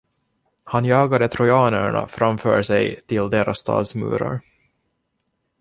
Han jagade trojanerna framför sig till deras stads murar.